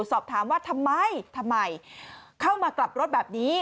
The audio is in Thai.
สอบถามว่าทำไมทำไมเข้ามากลับรถแบบนี้